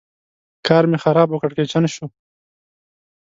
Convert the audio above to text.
کار مې خراب او کړکېچن شو.